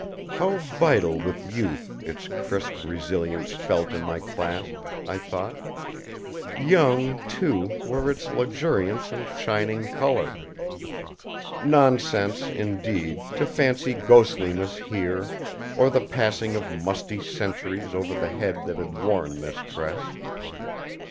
How vital with youth its crisp resilience felt in my clasp, I thought; young, too, were its luxuriance and shining color. Nonsense, indeed, to fancy ghostliness here or the passing of musty centuries over the head that had worn this tress!